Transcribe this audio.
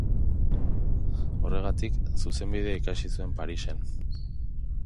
Horregatik, zuzenbidea ikasi zuen Parisen.